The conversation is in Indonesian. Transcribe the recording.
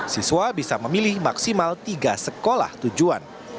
siswa bisa memilih maksimal tiga sekolah tujuan